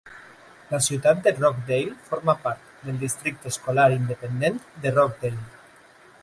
La ciutat de Rockdale forma part del districte escolar independent de Rockdale.